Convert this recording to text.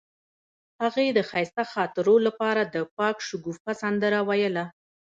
هغې د ښایسته خاطرو لپاره د پاک شګوفه سندره ویله.